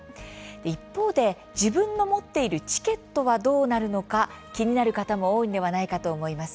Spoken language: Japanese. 一方で、自分の持っているチケットはどうなるのか気になる方も多いのではないかと思います。